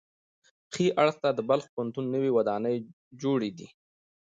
ښي اړخ ته د بلخ پوهنتون نوې ودانۍ جوړې دي.